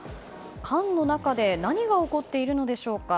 缶の中で何が起こっているのでしょうか。